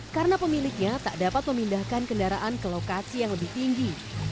karena pemiliknya tak dapat memindahkan kendaraan ke lokasi yang lebih tinggi